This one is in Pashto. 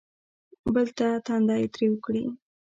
بل ته تندی تریو کړي.